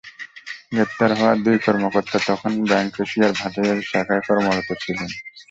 গ্রেপ্তার হওয়া দুই কর্মকর্তা তখন ব্যাংক এশিয়ার ভাটিয়ারী শাখায় কর্মরত ছিলেন।